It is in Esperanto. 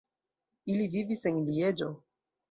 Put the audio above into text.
Ili vivis en Lieĝo.